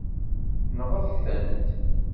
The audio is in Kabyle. Nɣet-tent.